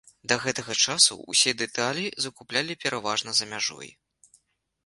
Да гэтага часу ўсе дэталі закуплялі пераважна за мяжой.